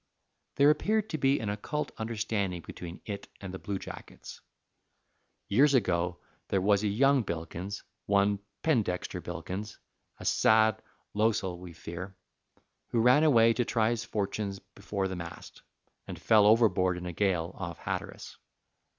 There appeared to be an occult understanding between it and the blue jackets. Years ago there was a young Bilkins, one Pendexter Bilkins a sad losel, we fear who ran away to try his fortunes before the mast, and fell overboard in a gale off Hatteras.